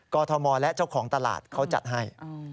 ก็ทอมมอล์และเจ้าของตลาดเขาจัดให้